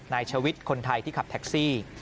ชวิตคนไทยที่ขับแท็กซี่